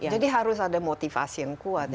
jadi harus ada motivasi yang kuat